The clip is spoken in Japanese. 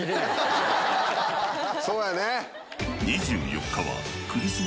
そうやね。